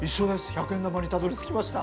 １００円玉にたどりつきました。